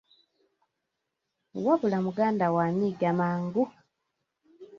Wabula muganda wo anyiiga mangu!